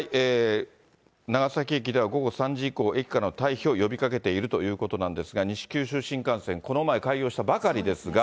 長崎駅では午後３時以降、駅からの退避を呼びかけているということなんですけれども、西九州新幹線、この前、開業したばかりですが。